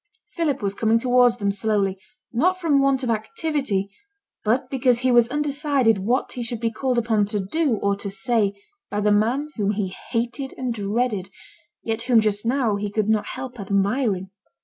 Philip was coming towards them slowly, not from want of activity, but because he was undecided what he should be called upon to do or to say by the man whom he hated and dreaded, yet whom just now he could not help admiring.